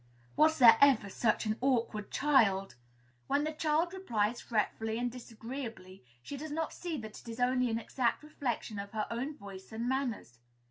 "Was there ever such an awkward child?" When the child replies fretfully and disagreeably, she does not see that it is only an exact reflection of her own voice and manners.